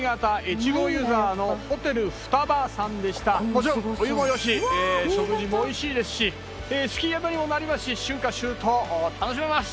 もちろんお湯もよし食事もおいしいですしスキー宿にもなりますし春夏秋冬楽しめます！